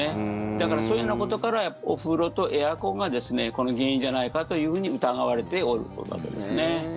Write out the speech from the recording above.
だから、そういうようなことからお風呂とエアコンがこの原因じゃないかというふうに疑われておるということですね。